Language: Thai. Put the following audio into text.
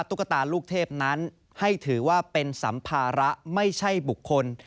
ตุ๊กตาลูกเทพนั้นให้ถือว่าเป็นสัมภาระไม่ใช่บุคคล